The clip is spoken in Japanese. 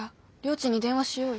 ちんに電話しようよ。